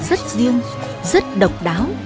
rất riêng rất độc đáo